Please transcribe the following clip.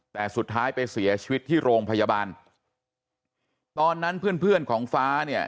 แต่สุดท้ายไปเสียชีวิตที่โรงพยาบาลตอนนั้นเพื่อนเพื่อนของฟ้าเนี่ย